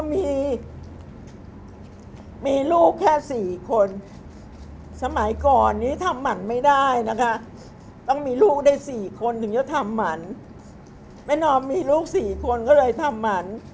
มีลูกสี่คนก็เลยทำหมันมีตุ้ยมีอ้อยคนโตที่อยู่โรงงาน